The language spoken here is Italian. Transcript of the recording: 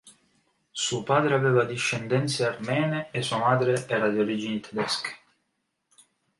Suo padre aveva discendenze armene e sua madre era di origini tedesche.